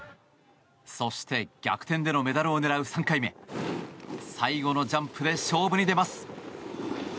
そして逆転でのメダルを狙う３回目最後のジャンプで勝負に出ます。